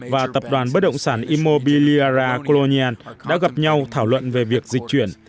và tập đoàn bất động sản immobiliara colonial đã gặp nhau thảo luận về việc dịch chuyển